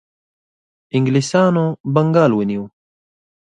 انګلیسانو بنګال ونیو.